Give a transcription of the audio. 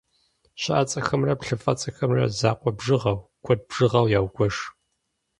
Щыӏэцӏэхэмрэ плъыфэцӏэхэмрэ закъуэ бжыгъэу, куэд бжыгъэу яугуэш.